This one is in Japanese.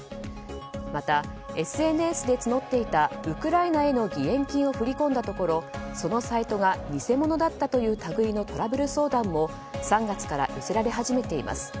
またＳＮＳで募っていたウクライナへの義援金を振り込んだところそのサイトが偽物だったという類のトラブル相談も３月から寄せられ始めています。